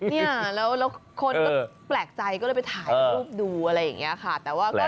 เฮ้นี่คนก็แปลกใจก็ไปถ่ายภูมิดูอะไรอย่างนี้ค่ะ